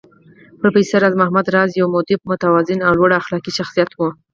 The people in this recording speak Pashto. پروفېسر راز محمد راز يو مودب، متوازن او لوړ اخلاقي شخصيت و